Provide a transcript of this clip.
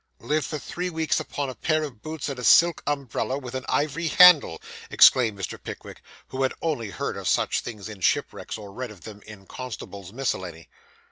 'Lived for three weeks upon a pair of boots, and a silk umbrella with an ivory handle!' exclaimed Mr. Pickwick, who had only heard of such things in shipwrecks or read of them in Constable's Miscellany.